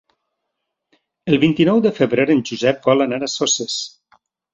El vint-i-nou de febrer en Josep vol anar a Soses.